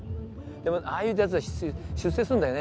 でもああいうやつは出世するんだよね。